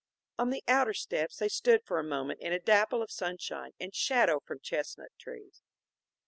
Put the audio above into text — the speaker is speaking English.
On the outer steps they stood for a moment in a dapple of sunshine and shadow from chestnut trees.